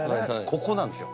ここなんですよ。